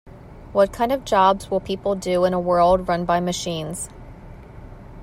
What kind of jobs will people do in a world run by machines?